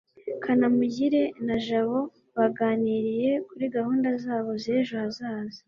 kanamugire na jabo baganiriye kuri gahunda zabo z'ejo hazaza